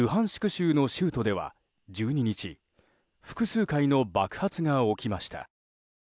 州の州都では１２日複数回の爆発が起きました。